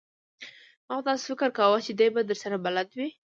ما خو داسې فکر کاوه چې دی به درسره بلد وي!